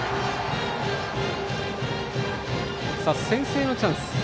先制のチャンス。